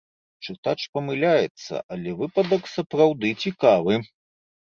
Чытач памыляецца, але выпадак, сапраўды, цікавы.